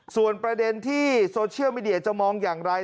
ส่วนประเด็นที่โซเชียลมีเดียจะมองอย่างไร